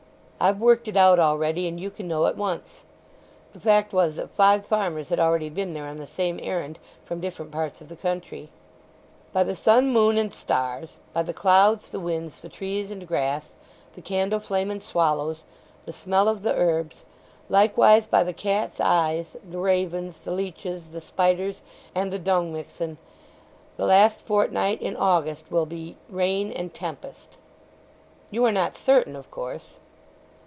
"I've worked it out already, and you can know at once." (The fact was that five farmers had already been there on the same errand from different parts of the country.) "By the sun, moon, and stars, by the clouds, the winds, the trees, and grass, the candle flame and swallows, the smell of the herbs; likewise by the cats' eyes, the ravens, the leeches, the spiders, and the dungmixen, the last fortnight in August will be—rain and tempest." "You are not certain, of course?"